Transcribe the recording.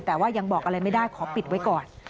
แต่ว่ายังบอกอะไรไม่ได้ขอปิดไว้ก่อน